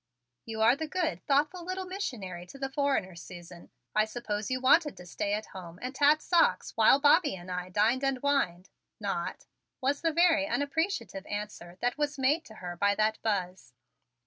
"You are the good, thoughtful little missionary to the foreigner, Susan. I suppose you wanted to stay at home and tat socks while Bobbie and I dined and wined not," was the very unappreciative answer that was made to her by that Buzz.